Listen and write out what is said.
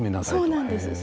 そうなんですよ。